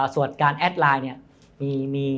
ส่วนการแอดไลน์เนี่ย